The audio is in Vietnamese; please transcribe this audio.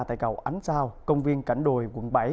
tại cầu ánh sao công viên cảnh đồi quận bảy